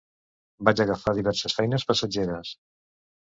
Vaig agafar diverses feines passatgeres.